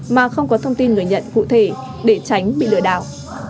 mà không có thông tin người nhận cụ thể để tránh bị lừa đảo